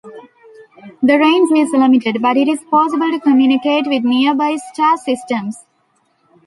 The range is limited, but it is possible to communicate with nearby star systems.